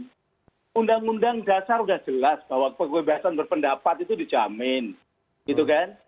untuk itu undang undang dasar sudah jelas bahwa kebebasan berpendapat itu dijamin itu kan